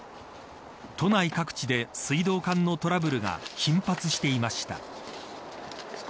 都内各地で水道管のトラブルが頻発していました。